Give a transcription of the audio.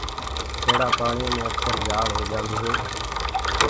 کيڙآ پآڻيو مي اڪسر جآݪ هوجآندو هي۔